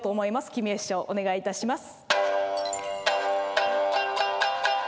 貴美江師匠お願いいたします。